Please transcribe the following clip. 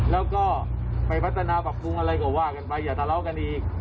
แล้วก็ไปพัฒนาปรับปรุงอะไรก็ว่ากันไปอย่าทะเลาะกันอีก